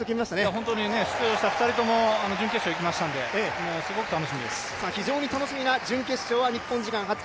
本当に出場した２人とも準決勝にいきましたので、すごく楽しみです。